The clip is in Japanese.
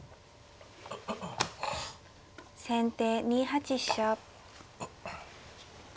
先手２八飛車。